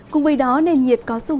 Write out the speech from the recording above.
cùng với đó nền nhiệt có xu hướng giảm nhẹ